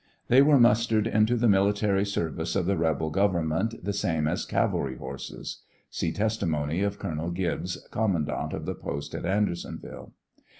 They were mustered into the military service of the rebel government the same as cavalry horses. (See testi mony of Colonel Gibbs, commandant of the post at Andersonville.)